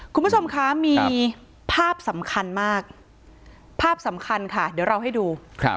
คุณผู้ชมคะมีภาพสำคัญมากภาพสำคัญค่ะเดี๋ยวเราให้ดูครับ